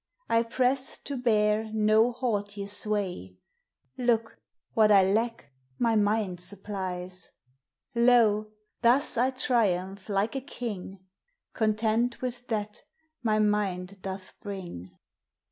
I presse to beare no haughtie sway ; Look, what T lack my mind supplie Loe, thus I triumph like a king, Content with that my minde doth bring.